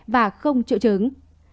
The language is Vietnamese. và không triệu chứng